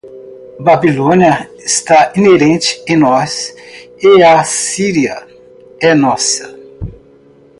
Babilônia está inerente em nós e a Assíria é nossa